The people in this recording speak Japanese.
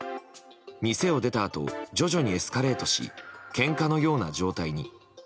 店を出たあと徐々にエスカレートしけんかのような状態に。